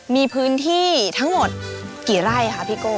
มีพื้นที่ทั้งหมดกี่ไร่คะพี่โก้